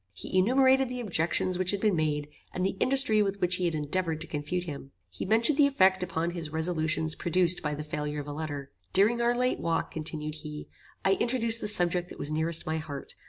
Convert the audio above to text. He enumerated the objections which had been made, and the industry with which he had endeavoured to confute them. He mentioned the effect upon his resolutions produced by the failure of a letter. "During our late walk," continued he, "I introduced the subject that was nearest my heart.